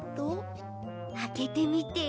あけてみて。